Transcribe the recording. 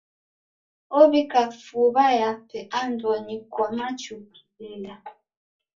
Owika fuw'a yape andonyi kwa machu ukilila.